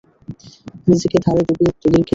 নিজেকে ধারে ডুবিয়ে তোদের কিনেছি।